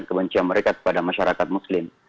dan kebencian mereka kepada masyarakat muslim